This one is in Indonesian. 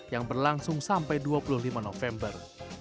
yang berlangsung sampai dua puluh lima november